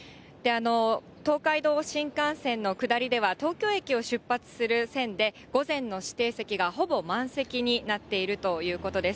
東海道新幹線の下りでは、東京駅を出発する線で、午前の指定席がほぼ満席になっているということです。